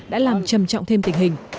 đã làm trầm trọng thêm tình hình